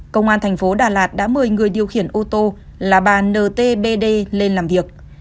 công an thành phố đà lạt đã mời người điều khiển ô tô là bà ntb lên làm việc